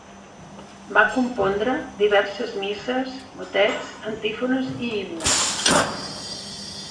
Va compondre diverses misses, motets, antífones i himnes.